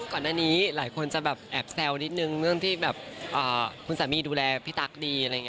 ก่อนนี้จะแบบแอบแซวนิดหนึ่งเรื่องที่แบบคุณสามีดูแลพี่ตั๊กดีอะไรไง